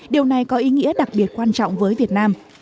điều này có ý nghĩa đặc biệt quan trọng với việt nam